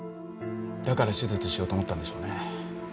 だから手術しようと思ったんでしょうね。